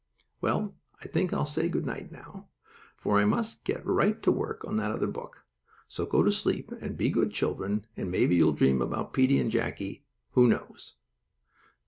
Well, I think I'll say good night now, for I must get right to work on that other book. So go to sleep, and be good children, and maybe you'll dream about Peetie and Jackie who knows?